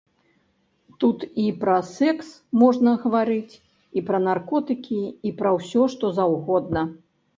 Тут і пра секс можна гаварыць, і пра наркотыкі і пра ўсё, што заўгодна.